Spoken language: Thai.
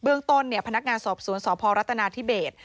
เรื่องต้นพนักงานสอบสวนสพรัฐนาธิเบส